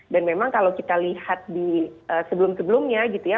dan memang kalau kita lihat di sebelum sebelumnya gitu ya